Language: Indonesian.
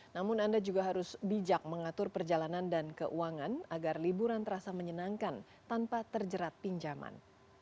namun anda juga harus bijak mengatur perjalanan dan keuangan agar liburan terasa menyenangkan tanpa terjerat pinjaman